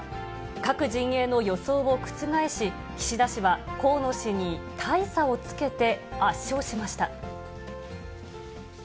各陣営の予想を覆し、岸田氏は河野氏に大差をつけて圧勝しました。